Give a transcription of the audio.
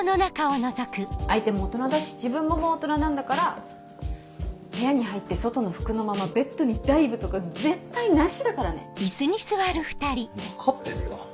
相手も大人だし自分ももう大人なんだから部屋に入って外の服のままベッドにダイブとか絶対なしだからね。わ分かってるよ。